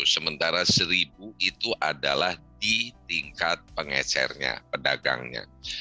sementara seribu itu adalah di tingkat pengecernya pedagangnya